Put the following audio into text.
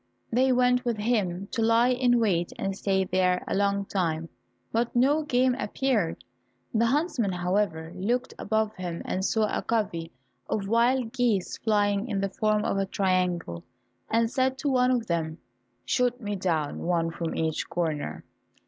They went with him to lie in wait and stayed there a long time, but no game appeared. The huntsman, however, looked above him and saw a covey of wild geese flying in the form of a triangle, and said to one of them, "Shoot me down one from each corner."